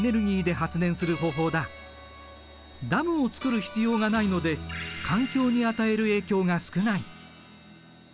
ダムを造る必要がないので環境に与える影響が少ない。